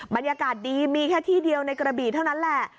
บรรยากาศดีมีแค่ที่เดียวในกระบีเท่านั้นแหละ